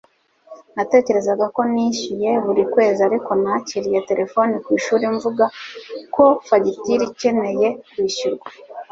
Natekerezaga ko nishyuye buri kwezi ariko nakiriye telefoni ku ishuri mvuga ko fagitire ikeneye kwishyurwa